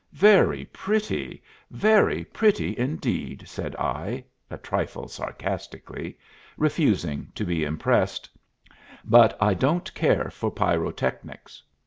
"Very pretty very pretty indeed," said I, a trifle sarcastically, refusing to be impressed, "but I don't care for pyrotechnics.